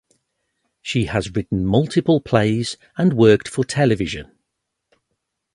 She has written multiple plays and worked for television.